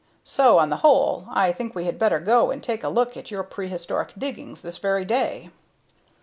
So, on the whole, I think we had better go and take a look at your prehistoric diggings this very day."